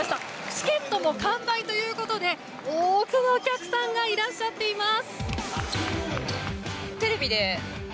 チケットも完売ということで多くのお客さんがいらっしゃっています。